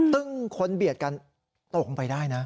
คนเบียดกันตกลงไปได้นะ